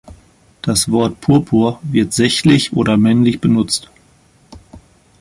Das Wort Purpur wird sächlich oder männlich benutzt.